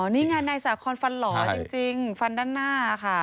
อ๋อนี่งานในสาขอนฟันหล่อจริงจริงฟันด้านหน้าค่ะ